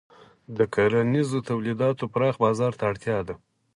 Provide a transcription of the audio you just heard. د کرنیزو تولیداتو پراخ بازار ته اړتیا ده.